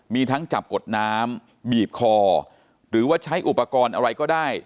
มีทั้งจับกดน้ำบีบคอหรือว่าใช้อุปกรณ์อะไรก็ได้